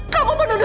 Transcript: kamu menuduh ibu